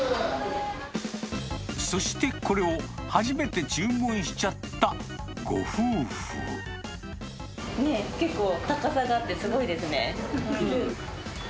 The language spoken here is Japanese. そしてこれを初めて注文しちねえ、結構高さがあってすごいですね。